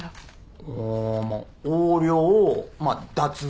あーまあ横領脱税。